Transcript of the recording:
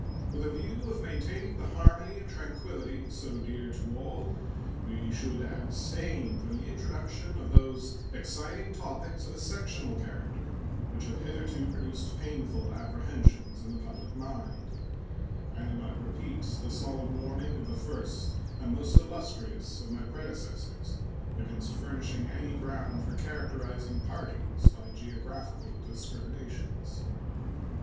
With a view of maintaining the harmony and tranquillity so dear to all, we should abstain from the introduction of those exciting topics of a sectional character which have hitherto produced painful apprehensions in the public mind; and I repeat the solemn warning of the first and most illustrious of my predecessors against furnishing "any ground for characterizing parties by geographical discriminations."